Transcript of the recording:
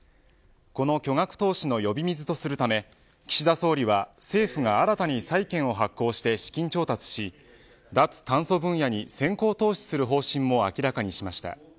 この巨額投資の呼び水とするため岸田総理は政府が新たに債券を発行して資金調達し、脱炭素分野に先行投資する方針を明らかにしました。